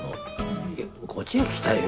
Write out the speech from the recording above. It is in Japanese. いやこっちが聞きたいよ。